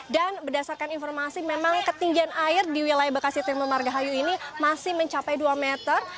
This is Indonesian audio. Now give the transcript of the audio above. dan berdasarkan informasi memang ketinggian air di wilayah bekasi timur marga hayu ini masih mencapai dua meter